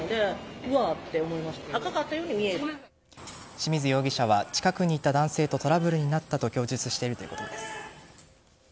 清水容疑者は近くにいた男性とトラブルになったと供述しているということです。